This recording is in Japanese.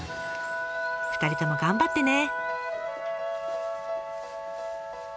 ２人とも頑張ってね。